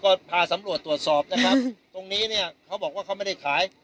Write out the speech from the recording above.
ก็พาสำรวจตรวจสอบนะครับตรงนี้เนี่ยเขาบอกว่าเขาไม่ได้ขาย